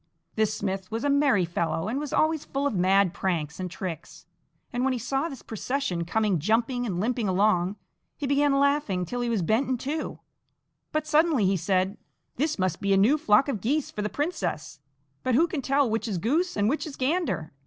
This smith was a merry fellow, and was always full of mad pranks and tricks, and when he saw this procession coming jumping and limping along, he began laughing till he was bent in two, but suddenly he said: "This must be a new flock of geese for the princess: but who can tell which is goose and which is gander?